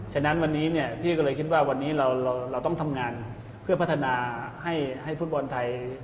ฉะนั้นวันนี้เนี่ยพี่ก็เลยคิดว่าวันนี้เราต้องทำงานเพื่อพัฒนาให้ฟุตบอลไทย